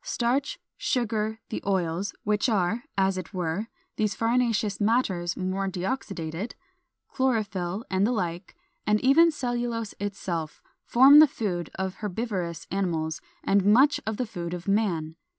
_ Starch, sugar, the oils (which are, as it were, these farinaceous matters more deoxidated), chlorophyll, and the like, and even cellulose itself, form the food of herbivorous animals and much of the food of man.